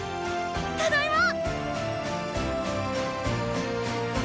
ただいまぁ！